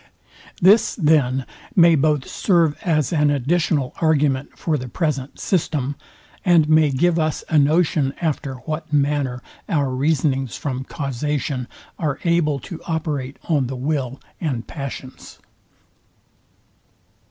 This, then, may both serve as an additional argument for the present system, and may give us a notion after what manner our reasonings from causation are able to operate on the will and passions.